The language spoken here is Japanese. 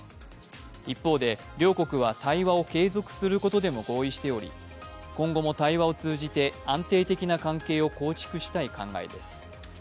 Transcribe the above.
一方で、両国は対話を継続することでも合意しており、今後も対話を通じて安定的な関係を構築したい考えです。